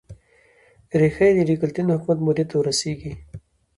ریښه یې د ډیوکلتین حکومت مودې ته ور رسېږي